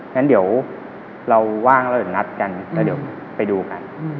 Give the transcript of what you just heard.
งั้นเดี๋ยวเราว่างเราจะนัดกันเราเดี๋ยวไปดูกัน